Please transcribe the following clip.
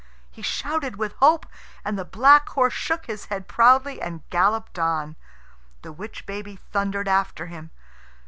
He shouted with hope, and the black horse shook his head proudly and galloped on. The witch baby thundered after him.